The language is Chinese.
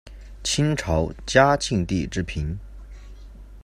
清朝嘉庆帝之嫔。